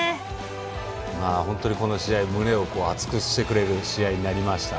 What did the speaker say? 本当に、この試合胸を熱くしてくれる試合になりました。